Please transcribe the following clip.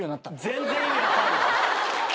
全然意味分かんない。